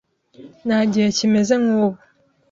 Nta gihe kimeze nkubu.